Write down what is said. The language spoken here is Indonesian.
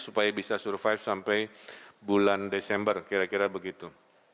supaya bisa survive sampai bulan desember kira kira begitu